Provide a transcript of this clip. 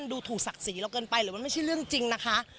ดูถูกฝากสิเราเกินไปหรอไม่ใช่เรื่องจริงนะคะ